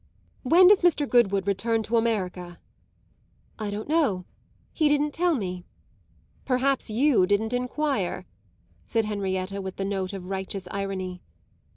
"When does Mr. Goodwood return to America?" "I don't know he didn't tell me." "Perhaps you didn't enquire," said Henrietta with the note of righteous irony.